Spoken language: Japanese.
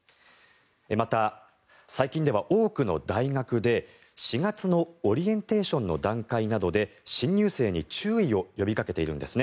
また、最近では多くの大学で４月のオリエンテーションの段階などで新入生に注意を呼びかけているんですね。